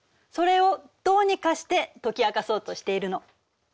それをどうにかして解き明かそうとしているの。